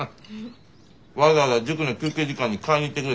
わざわざ塾の休憩時間に買いに行ってくれたらしいわ。